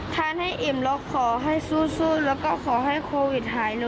ให้อิ่มแล้วขอให้สู้แล้วก็ขอให้โควิดหายเลย